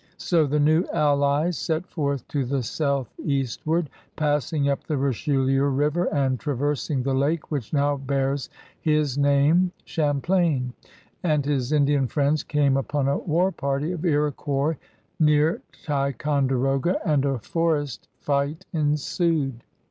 So the new allies set forth to the southeastward, passing up the Bichdieu River and, traversing the lake which now bears his name, Champlain and his Indian friends came upon a war party of Iroquois near Ticonderoga and a forest fight ensued.